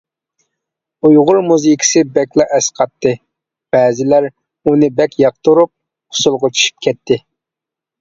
ئۇيغۇر مۇزىكىسى بەكلا ئەسقاتتى، بەزىلەر ئۇنى بەك ياقتۇرۇپ، ئۇسۇلغا چۈشۈپ كەتتى.